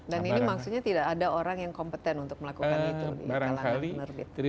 dan ini maksudnya tidak ada orang yang kompeten untuk melakukan itu di kalangan penerbit